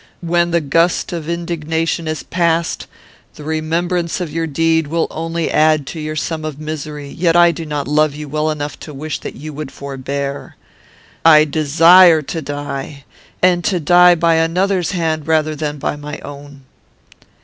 When the gust of indignation is past, the remembrance of your deed will only add to your sum of misery; yet I do not love you well enough to wish that you would forbear. I desire to die, and to die by another's hand rather than my own.'